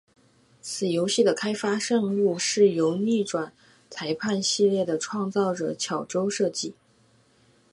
此游戏的开发任务是由逆转裁判系列的创造者巧舟负责。